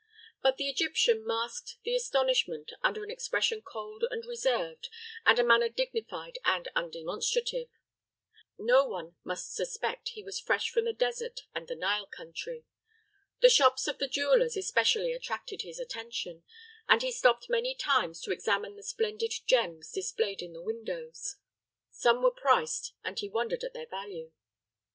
But the Egyptian masked the astonishment under an expression cold and reserved and a manner dignified and undemonstrative. No one must suspect he was fresh from the desert and the Nile country. The shops of the jewelers especially attracted his attention, and he stopped many times to examine the splendid gems displayed in the windows. Some were priced, and he wondered at their value.